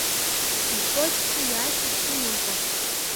Избоит, схы иааишьа сымамкәа.